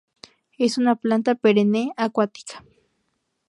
Es una planta perenne, acuática.